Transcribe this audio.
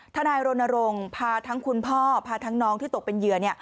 ทนายรณรงค์พาทั้งคุณพ่อพาทั้งน้องที่ตกเป็นเหยื่อ